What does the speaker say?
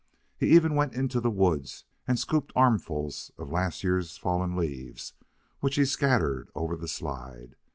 He even went into the woods and scooped armfuls of last year's fallen leaves which he scattered over the slide.